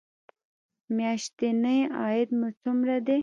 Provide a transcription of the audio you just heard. میاشتنی عاید مو څومره دی؟